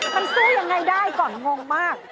มันสู้ยังไงได้ก่อนงงมาก